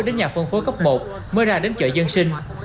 đến nhà phân phối cấp một mới ra đến chợ dân sinh